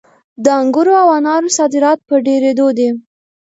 د انګورو او انارو صادرات په ډېرېدو دي.